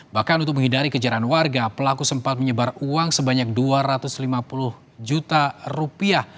bahkan untuk menghindari kejaran warga pelaku sempat menyebar uang sebanyak dua ratus lima puluh juta rupiah